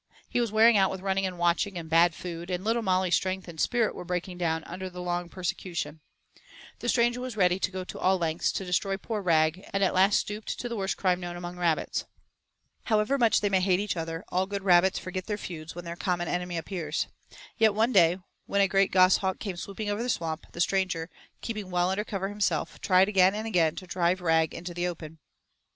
He was wearing out with running and watching and bad food, and little Molly's strength and spirit were breaking down under the long persecution. The stranger was ready to go to all lengths to destroy poor Rag, and at last stooped to the worst crime known among rabbits. However much they may hate each other, all good rabbits forget their feuds when their common enemy appears. Yet one day when a great goshawk came swooping over the Swamp, the stranger, keeping well under cover himself, tried again and again to drive Rag into the open.